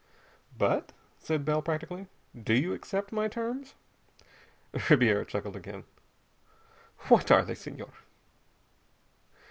"But," said Bell practically, "do you accept my terms?" Ribiera chuckled again. "What are they, Senhor?"